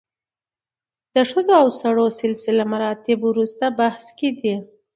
د ښځو او سړو سلسله مراتب وروسته بحث کې دي.